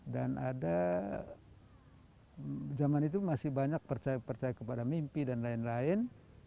dan ada zaman itu masih banyak percaya kepada mimpi dan lain lain